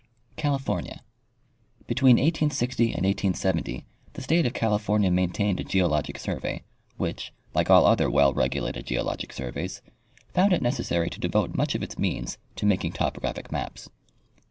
California. — Between 1860 and 1870 the state of California maintained a geologic survey, which, like all other well regulated geologic surveys, found it necessary to devote much of its means to making topographic maps.